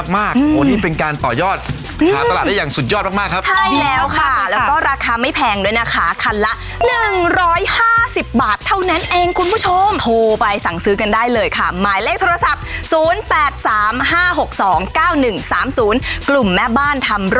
มันกันได้มันยอดมากใช่ไหมคะจอร์สค่ะ